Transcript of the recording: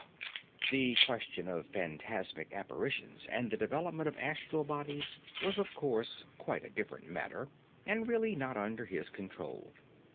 The question of phantasmic apparitions, and the development of astral bodies, was of course quite a different matter, and really not under his control.